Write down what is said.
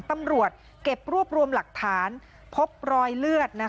ตำรวจเก็บรวบรวมหลักฐานพบรอยเลือด